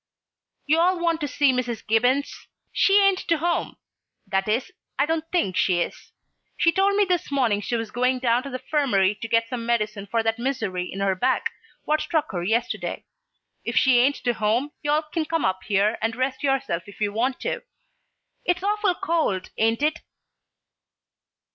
"You all want to see Mrs. Gibbons? Well, she ain't to home. That is, I don't think she is. She told me this morning she was going down to the 'firmary to get some medicine for that misery in her back what struck her yesterday. If she ain't to home, you all kin come up here and rest yourself if you want to. It's awful cold, ain't it?"